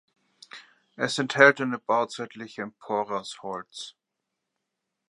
Es enthält eine bauzeitliche Empore aus Holz.